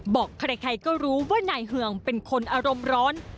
บอกใครก็รู้ว่านายเฮืองเป็นคนอารมณ์ร้อน